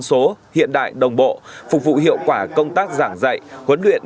học viện cảnh sát nhân dân số hiện đại đồng bộ phục vụ hiệu quả công tác giảng dạy huấn luyện